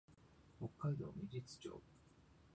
北海道芽室町